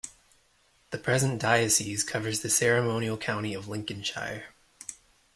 The present diocese covers the ceremonial county of Lincolnshire.